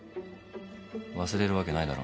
忘れるわけないだろ。